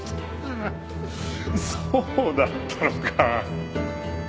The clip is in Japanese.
そうだったのか。